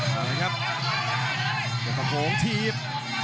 เดชฟังโฮงทีบ